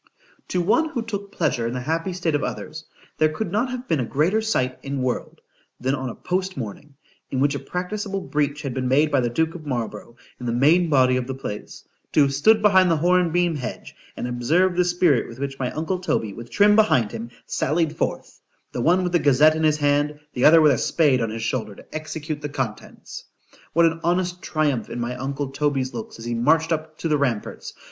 To one who took pleasure in the happy state of others,—there could not have been a greater sight in world, than on a post morning, in which a practicable breach had been made by the duke of Marlborough, in the main body of the place,—to have stood behind the horn beam hedge, and observed the spirit with which my uncle Toby, with Trim behind him, sallied forth;——the one with the Gazette in his hand,—the other with a spade on his shoulder to execute the contents.——What an honest triumph in my uncle Toby's looks as he marched up to the ramparts!